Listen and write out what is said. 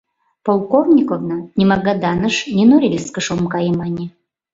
— Полковниковна, ни Магаданыш, ни Норильскыш ом кае, мане.